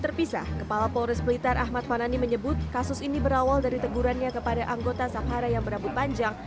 terpisah kepala polres blitar ahmad panani menyebut kasus ini berawal dari tegurannya kepada anggota